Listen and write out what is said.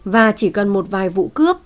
và chỉ cần một vài vụ cướp